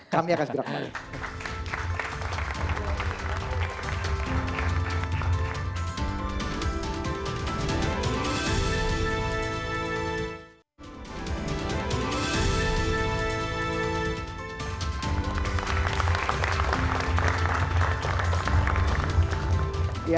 kami akan segera kembali